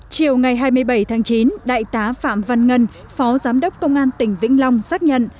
chiều ngày hai mươi bảy tháng chín đại tá phạm văn ngân phó giám đốc công an tỉnh vĩnh long xác nhận